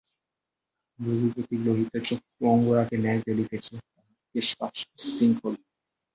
রঘুপতির লোহিত চক্ষু অঙ্গারের ন্যায় জ্বলিতেছে, তাঁহার কেশপাশ বিশৃঙ্খল।